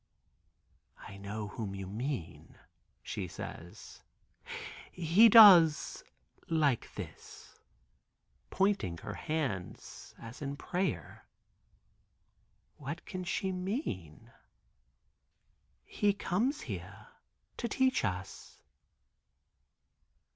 "I know whom you mean," she says. "He does like this," pointing her hands as in prayer. What can she mean? "He comes here to teach us."